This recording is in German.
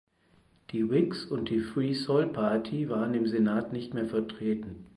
Die Whigs und die Free Soil Party waren im Senat nicht mehr vertreten.